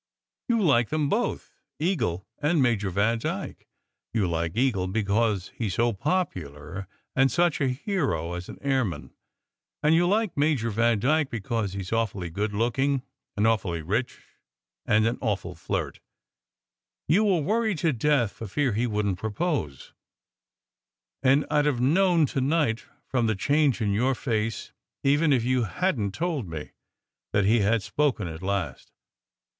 You like them both, Eagle and Major Vandyke. You like Eagle because he s so popular and such a hero as an air man; and you like Major Vandyke because he s awfully good looking and awfully rich and an awful flirt. You were worried to death for fear he wouldn t propose, and I d have known to night, from the change in your face, even if you hadn t told me, that he had spoken at last.